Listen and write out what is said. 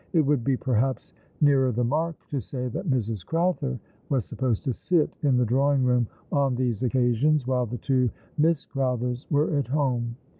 It would be perhaps nearer the mark to say that Mrs. Crowther was supposed to sit in the drawing room on these occasions while the two Miss Crowthers were at home.